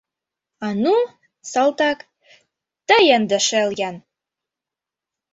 — А ну, салтак, тый ынде шел-ян!